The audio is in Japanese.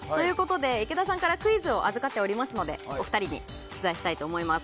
池田さんからクイズを預かっておりますのでお二人に出題したいと思います。